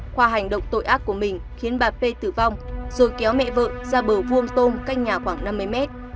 khoa hành động tội ác của mình khiến bà p tử vong rồi kéo mẹ vợ ra bờ vuông tôm cách nhà khoảng năm mươi mét